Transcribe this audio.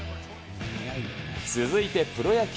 続いて、プロ野球。